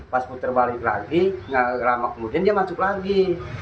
pas puter balik lagi nggak lama kemudian dia masuk lagi